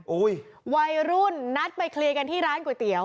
วัยรุ่นนัดไปเคลียร์กันที่ร้านก๋วยเตี๋ย